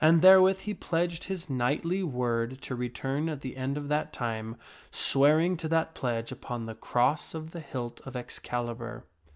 And therewith he pledged his knightly word to return at the end of that time, swearing t that pledge upon the cross of the hilt of Excalibur.